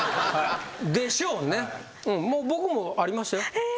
僕もありましたよ。